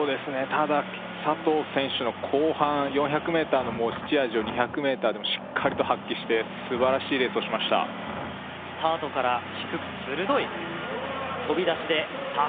ただ佐藤選手の後半４００ｍの持ち味を２００ｍでもしっかりと発揮して素晴らしいレースをしましたスタートから低くするどい飛び出しでさあ